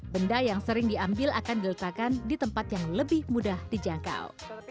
benda yang sering diambil akan diletakkan di tempat yang lebih mudah dijangkau